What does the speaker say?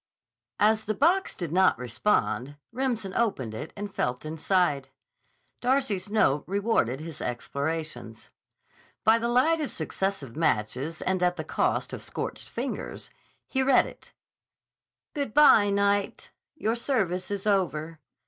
As the box did not respond, Remsen opened it and felt inside. Darcy's note rewarded his explorations. By the light of successive matches and at the cost of scorched fingers, he read it: Good bye, Knight. Your service is over.